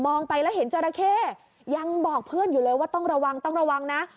ไปแล้วเห็นจราเข้ยังบอกเพื่อนอยู่เลยว่าต้องระวังต้องระวังนะ